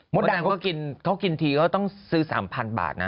มดดำเค้ากินทีก็ต้องซื้อ๓๐๐๐บาทนะ